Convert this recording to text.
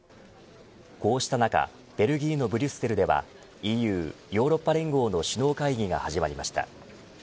こうした中ベルギーのブリュッセルではＥＵヨーロッパ連合の首脳会議が始まりました。